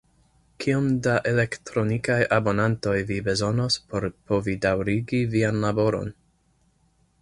Kiom da elektronikaj abonantoj vi bezonos por povi daŭrigi vian laboron?